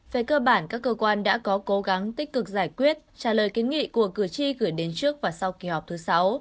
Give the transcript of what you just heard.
về cơ bản các cơ quan đã có cố gắng tích cực giải quyết trả lời kiến nghị của cử tri gửi đến trước và sau kỳ họp thứ sáu